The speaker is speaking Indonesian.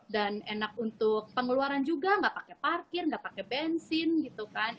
dan enak untuk pengeluaran juga gak pake parkir gak pake bensin gitu kan